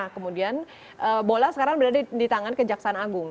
kemudian bola sekarang berada di tangan ke jaksa agung